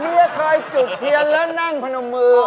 เรียกใครจุดเทียนแล้วนั่งพนมมือ